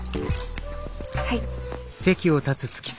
はい。